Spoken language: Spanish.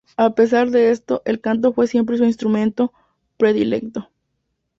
A pesar de esto, el canto fue siempre su "instrumento" predilecto.